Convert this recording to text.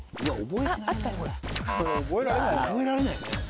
覚えられないね。